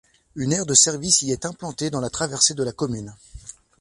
Une aire de services y est implantée dans la traversée de la commune.